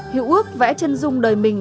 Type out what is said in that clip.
hữu ước vẽ chân dung đời mình